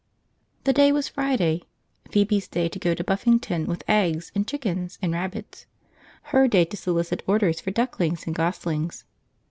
The day was Friday; Phoebe's day to go to Buffington with eggs and chickens and rabbits; her day to solicit orders for ducklings and goslings.